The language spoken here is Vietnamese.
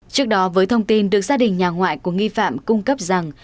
trước đó với thông tin được gia đình nhà ngoại của nghi phạm cung cấp rằng